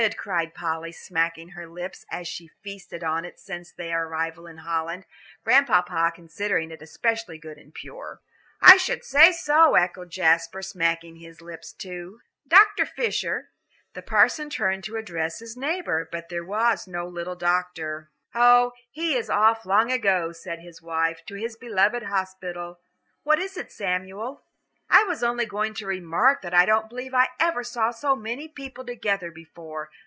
cried Polly, smacking her lips, as she had feasted on it since their arrival in Holland, Grandpapa considering it especially good and pure. "I should say so," echoed Jasper, smacking his lips, too. "Dr. Fisher " The parson turned to address his neighbour, but there was no little doctor. "Oh, he is off long ago," said his wife, "to his beloved hospital. What is it, Samuel?" "I was only going to remark that I don't believe I ever saw so many people together before.